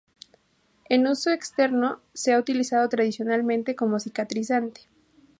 En uso externo se ha utilizado tradicionalmente como cicatrizante.